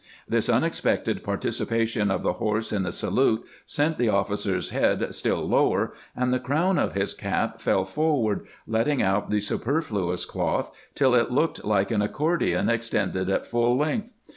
This unex pected participation of the horse in the salute sent the oflS.cer's head stOl lower, and the crown of his cap fell forward, letting out the superfluous cloth till it looked like an accordion extended at full length.